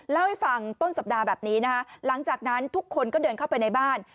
เล่าให้ฟังต้นสัปดาห์แบบนี้นะคะหลังจากนั้นทุกคนก็เดินเข้าไปในบ้าน